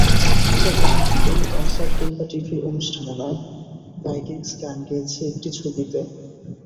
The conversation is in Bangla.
তবে কোনো কনসার্ট কিংবা টিভির অনুষ্ঠানে নয়, ভাইকিংস গান গেয়েছে একটি ছবিতে।